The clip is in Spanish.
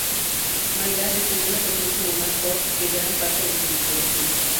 Maida describió la canción como "más pop" que gran parte de su discografía.